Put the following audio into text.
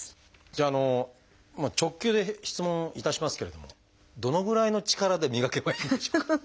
じゃあ直球で質問いたしますけれどもどのぐらいの力で磨けばいいんでしょうか？